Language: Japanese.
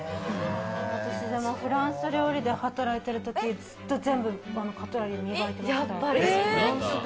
フランス料理で働いてるとき、ずっと全部カトラリー磨いてました。